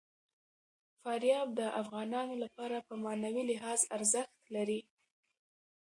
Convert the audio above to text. فاریاب د افغانانو لپاره په معنوي لحاظ ارزښت لري.